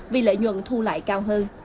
vì lợi nhuận thu lại cao hơn